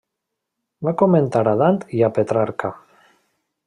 Va comentar a Dant i a Petrarca.